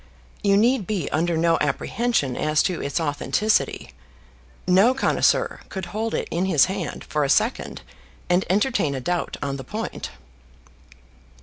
You need be under no apprehension as to its authenticity: no connoisseur could hold it in his hand for a second and entertain a doubt on the point."